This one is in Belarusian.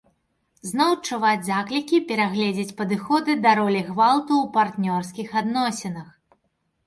Зноў чуваць заклікі перагледзець падыходы да ролі гвалту ў партнёрскіх адносінах.